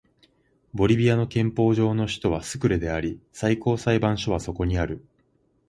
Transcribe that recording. ボリビアの憲法上の首都はスクレであり最高裁判所はそこにある